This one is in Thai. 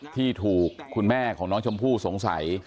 ที่ถูกคุณแม่ของน้องชมพู่สงสัย